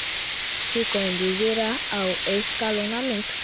Que conduzirá ao escalonamento